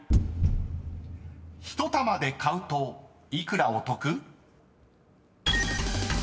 ［１玉で買うと幾らお得？］